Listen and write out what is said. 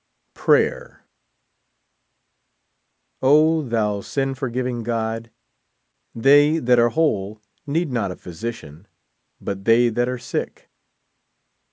Prayer. O, thou sin forgiving God, they that are whole need not a physician, but they that are sick.